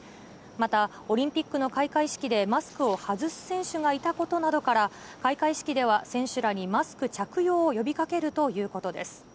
また、オリンピックの開会式でマスクを外す選手がいたことなどから、開会式では選手らにマスク着用を呼びかけるということです。